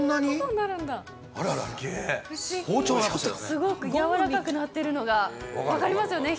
すごくやわらかくなってるのが分かりますよね？